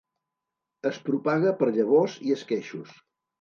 Es propaga per llavors i esqueixos.